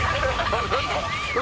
「何？